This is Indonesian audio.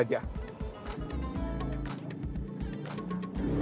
ketika kondisi darurat saja